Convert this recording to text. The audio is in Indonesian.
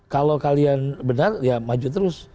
kalau kalian benar ya maju terus